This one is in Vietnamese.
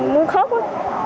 muốn khóc á